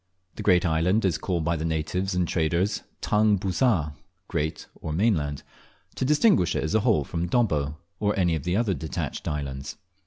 The great island is called by the natives and traders "Tang busar" (great or mainland), to distinguish it as a whole from Dobbo, or any of the detached islands.